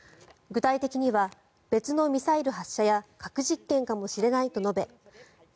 具体的には別のミサイル発射や核実験かもしれないと述べ